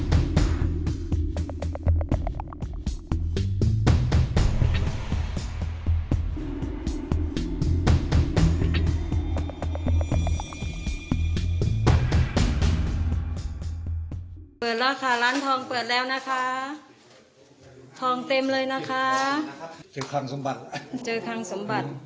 เปิดแล้วค่ะร้านทองเปิดแล้วนะคะทองเต็มเลยนะคะเจอคังสมบัติเจอคังสมบัติ